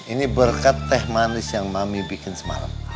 ini berkat teh manis yang mami bikin semarang